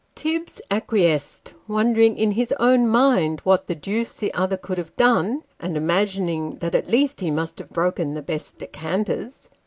Tibbs acquiesced, wondering in his own mind what the deuce the other could have done, and imagining that at least he must have broken the best decanters.